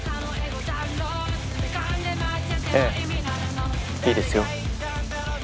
ええいいですよ。